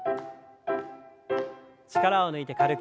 力を抜いて軽く。